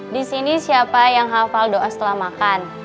di sini siapa yang hafal doa setelah makan